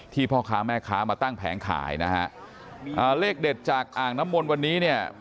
พ่อค้าแม่ค้ามาตั้งแผงขายนะฮะอ่าเลขเด็ดจากอ่างน้ำมนต์วันนี้เนี่ย